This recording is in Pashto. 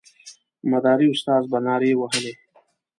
مداري استاد به نارې وهلې.